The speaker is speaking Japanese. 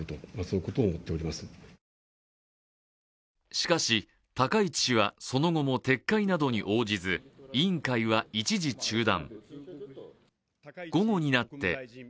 しかし、高市氏はその後も撤回などに応じず委員会は一時中断。